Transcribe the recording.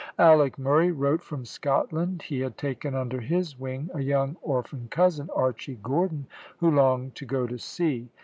Alick Murray wrote from Scotland. He had taken under his wing a young orphan cousin, Archy Gordon, who longed to go to sea.